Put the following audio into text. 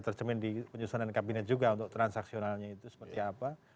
tercermin di penyusunan kabinet juga untuk transaksionalnya itu seperti apa